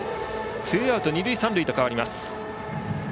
ツーアウト二塁三塁と変わります。